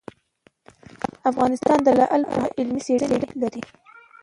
افغانستان د لعل په اړه علمي څېړنې لري.